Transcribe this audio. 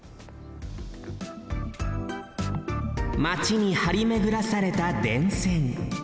まちにはりめぐらされた電線。